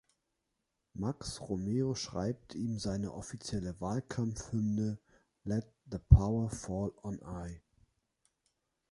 Max Romeo schreibt ihm seine offizielle Wahlkampf-Hymne "Let The Power Fall On I".